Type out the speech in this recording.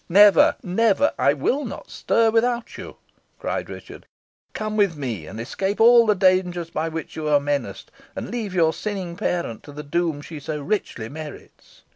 "Never, never! I will not stir without you," cried Richard. "Come with me, and escape all the dangers by which you are menaced, and leave your sinning parent to the doom she so richly merits."